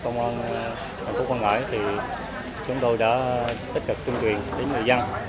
trong đó có công an thành phố quang ngãi thì chúng tôi đã tích cực tuyên truyền đến người dân